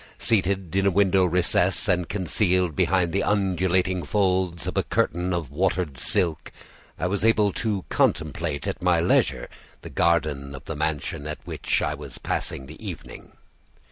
Seated in a window recess and concealed behind the undulating folds of a curtain of watered silk, I was able to contemplate at my leisure the garden of the mansion at which I was passing the evening.